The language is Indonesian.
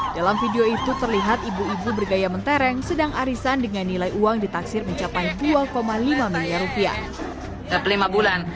dalam video itu terlihat ibu ibu bergaya mentereng sedang arisan dengan nilai uang ditaksir mencapai dua lima miliar rupiah